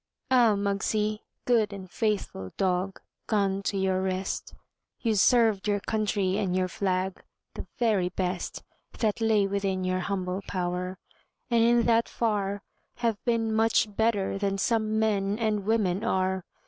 Ah, Muggsie, good and faithful dog, Gone to your rest! You served your country and your flag The very best That lay within your humble power, And in that far Have been much better than some men And women are.